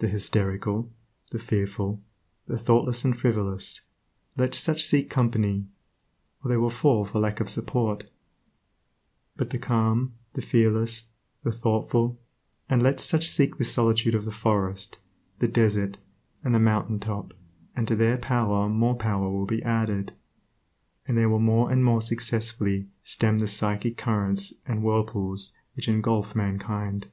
The hysterical, the fearful, the thoughtless and frivolous, let such seek company, or they will fall for lack of support; but the calm, the fearless, the thoughtful, and let such seek the solitude of the forest, the desert, and the mountain top, and to their power more power will be added, and they will more and more successfully stem the psychic currents and whirlpools which engulf mankind.